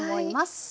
はい。